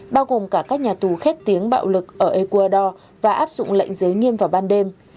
bao gồm cả các nhà tù khét tiếng bạo lực ở ecuador và áp dụng lệnh giới nghiêm vào ban đêm